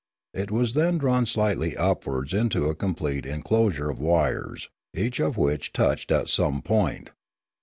It was then drawn slightly upwards into a complete enclosure of wires, each of which touched it at some point.